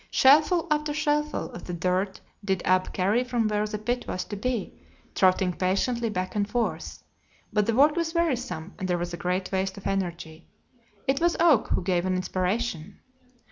Shellful after shellful of the dirt did Ab carry from where the pit was to be, trotting patiently back and forth, but the work was wearisome and there was a great waste of energy. It was Oak who gave an inspiration.